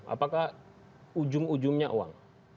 apakah ujung ujungnya uang